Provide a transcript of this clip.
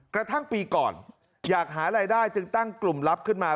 กระทั่งปีก่อนอยากหารายได้จึงตั้งกลุ่มลับขึ้นมา